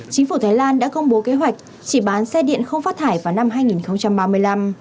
chính phủ thái lan đã công bố kế hoạch chỉ bán xe điện không phát thải vào năm hai nghìn ba mươi năm